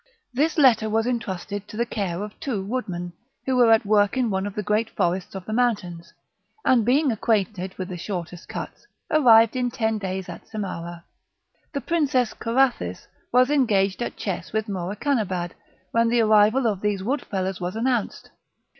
This letter was entrusted to the care of two wood men, who were at work on one of the great forests of the mountains, and, being acquainted with the shortest cuts, arrived in ten days at Samarah. The Princess Carathis was engaged at chess with Morakanabad, when the arrival of these wood fellers was announced.